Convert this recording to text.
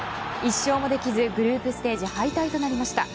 １勝もできずグループステージ敗退となりました。